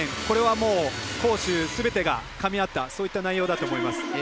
これは攻守すべてがかみ合ったそういった内容だと思います。